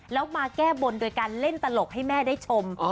แล้วมาแก้บนโดยการเล่นตลกให้แม่ได้ชม